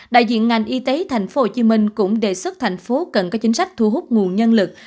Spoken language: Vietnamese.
đại diện ngành y tế tp hcm cũng đề xuất thành phố cần có chính sách thu hút nguồn nhân lực